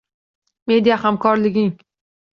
Media hamkorlikng